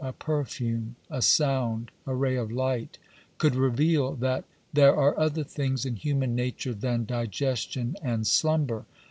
"a perfume, a sound, a ray of light " A could reveal that "there are other things in human nature than digestion and slumber."